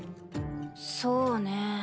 そうね